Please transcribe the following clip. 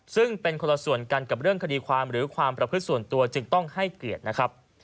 ซึ่งเป็นคนละส่วนกันกับเรื่องคดีความหรือความประพฤติส่วนตัวจึงต้องให้เกียรตินะครับ